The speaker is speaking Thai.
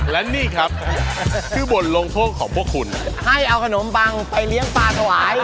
และนี่ครับคือบทลงโทษของพวกคุณให้เอาขนมบังไปเลี้ยงปลาถวาย